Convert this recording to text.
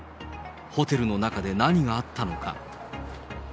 ホテルの中で何があったのか。